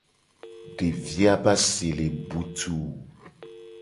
Devi a be ase le butuu.